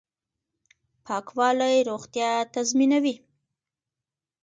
پاکوالی روغتیا تضمینوي